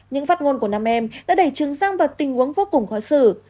những phát ngôn của nam em đã đẩy trường sang vào tình huống vô cùng khó xử